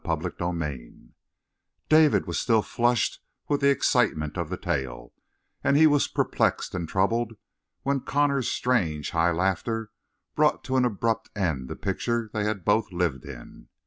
CHAPTER SEVENTEEN David was still flushed with the excitement of the tale, and he was perplexed and troubled when Connor's strange, high laughter brought to an abrupt end the picture they had both lived in.